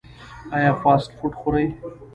ایا فاسټ فوډ خورئ؟